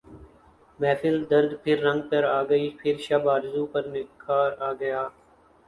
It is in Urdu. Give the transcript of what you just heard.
محفل درد پھر رنگ پر آ گئی پھر شب آرزو پر نکھار آ گیا